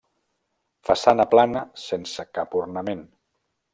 Façana plana sense cap ornament.